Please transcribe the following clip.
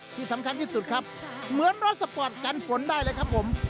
ที่สำคัญที่สุดครับเหมือนรถสปอร์ตกันฝนได้เลยครับผม